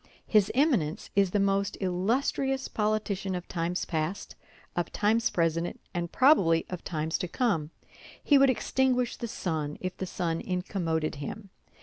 His Eminence is the most illustrious politician of times past, of times present, and probably of times to come. He would extinguish the sun if the sun incommoded him.